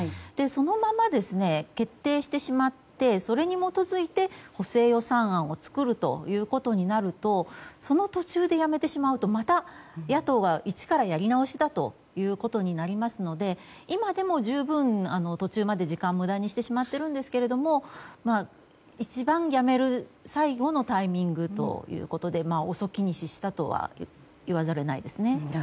そのまま、決定してしまってそれに基づいて補正予算案を作るということになるとその途中でやめてしまうとまた野党が一からやり直しだということになりますので今でも十分途中まで時間を無駄にしてしまっているんですけど一番、辞める最後のタイミングということで遅きに失したとは言わざるを得ないですね。